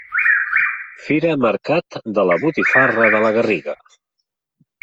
Fira Mercat de la Botifarra de la Garriga.